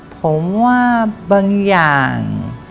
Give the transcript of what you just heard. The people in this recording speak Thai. ผมว่าบางอย่าง